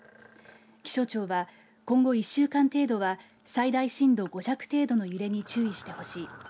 気象庁は今後１週間程度は最大震度５弱程度の揺れに注意してほしい。